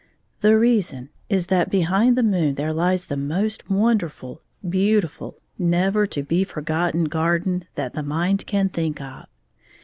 The reason is that behind the moon there lies the most wonderful^ beautiful^ never to be forgotten garden that the mind can think of.